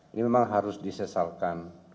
ini memang harus disesalkan